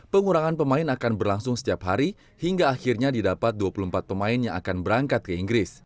pengurangan pemain akan berlangsung setiap hari hingga akhirnya didapat dua puluh empat pemain yang akan berangkat ke inggris